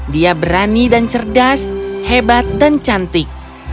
dia berani dan cerdas hebat dan cantik